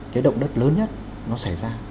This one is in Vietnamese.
cái động đất lớn nhất nó xảy ra